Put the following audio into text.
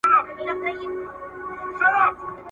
ویل زما پر وینا غوږ نیسۍ مرغانو ..